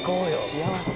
幸せ。